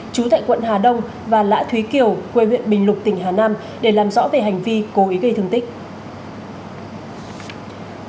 chú tại quận hà đông và lã thúy kiều quê huyện bình lục tỉnh hà nam để làm rõ về hành vi cố ý gây thương tích